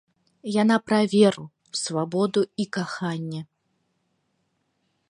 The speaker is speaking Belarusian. Яна пра веру, свабоду і каханне.